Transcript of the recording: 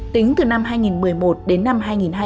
tính từ năm hai nghìn một mươi một đến năm hai nghìn hai mươi hai